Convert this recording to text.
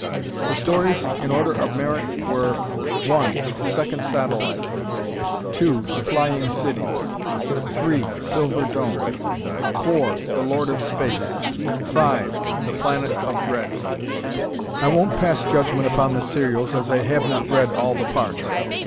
The stories in order of merit were: 1 "The Second Satellite"; 2 "The Flying City"; 3 "Silver Dome"; 4 "The Lord of Space"; 5 "The Planet of Dread." I won't pass judgment upon the serials, as I have not read all the parts.